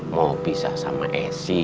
mau pisah sama esi